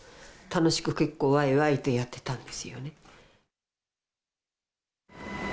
楽しく、結構わいわいとやってたんですよね。